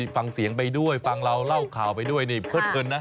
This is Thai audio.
ฟังเสียงไปด้วยฟังเราเล่าข่าวไปด้วยนี่เพิดเงินนะ